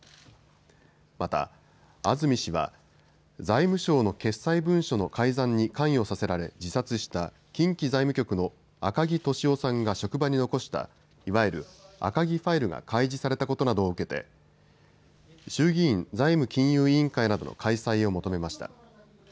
また、安住氏は財務省の決裁文書の改ざんに関与させられ自殺した近畿財務局の赤木俊夫さんが職場に残したいわゆる赤木ファイルが開示されたことなどを受けて衆議院財務金融委員会などの開催を求めました。